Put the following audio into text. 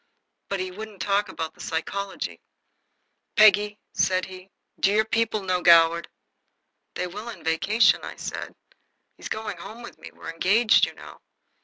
But he wouldn't talk about the psychology. "Peggy," said he, "do your people know Goward?" "They will in vacation," I said. "He's going home with me. We're engaged, you know."